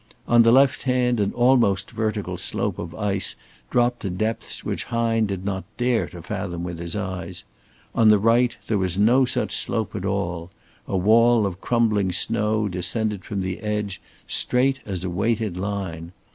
On the left hand an almost vertical slope of ice dropped to depths which Hine did not dare to fathom with his eyes; on the right there was no slope at all; a wall of crumbling snow descended from the edge straight as a weighted line.